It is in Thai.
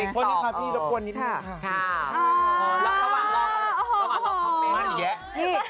อาคารพี่รับกวนนิดนึง